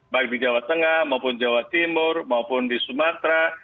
baik di jawa tengah maupun jawa timur maupun di sumatera